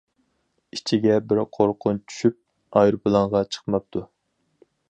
ئىچىگە بىر قورقۇنچ چۈشۈپ، ئايروپىلانغا چىقماپتۇ.